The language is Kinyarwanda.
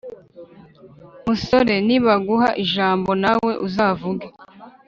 Musore, nibaguha ijambo nawe uzavuge,